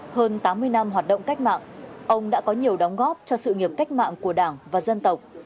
hơn tám mươi năm hoạt động cách mạng ông đã có nhiều đóng góp cho sự nghiệp cách mạng của đảng và dân tộc